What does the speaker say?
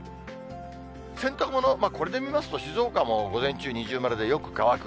洗濯物これで見ますと、静岡も午前中、二重丸でよく乾く。